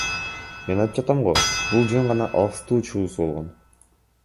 Мен айтып жатам го, бул жөн гана алаксытуу чуусу болгон.